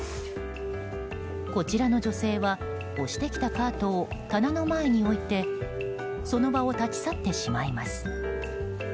こちらの女性は押してきたカートを、棚の前に置いてその場を立ち去ってしまいます。